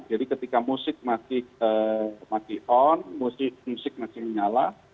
jadi ketika musik masih on musik masih menyala